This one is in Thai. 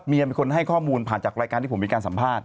เป็นคนให้ข้อมูลผ่านจากรายการที่ผมมีการสัมภาษณ